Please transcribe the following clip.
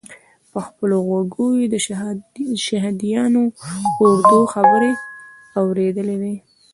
په خپلو غوږو یې د شهادیانو اردو خبرې اورېدلې وې.